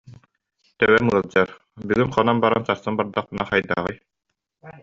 Төбөм ыалдьар, бүгүн хонон баран сарсын бардахпытына хайдаҕый